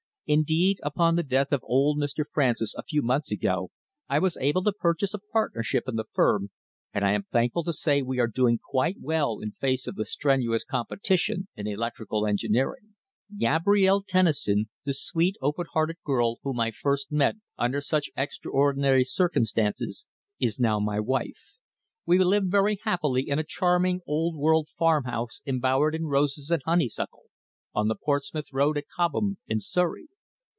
Indeed, upon the death of old Mr. Francis a few months ago, I was able to purchase a partnership in the firm, and I am thankful to say we are doing quite well in face of the strenuous competition in electrical engineering. Gabrielle Tennison, the sweet, open hearted girl whom I first met under such extraordinary circumstances, is now my wife. We live very happily in a charming, old world farmhouse embowered in roses and honeysuckle, on the Portsmouth Road at Cobham, in Surrey.